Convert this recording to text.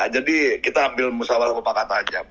jadi kita ambil musawah musawah pakat aja